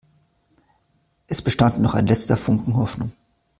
Es bestand noch ein letzter Funken Hoffnung.